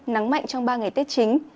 nắng mạnh trong ba ngày tết chính